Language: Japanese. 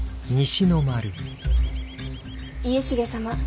家重様。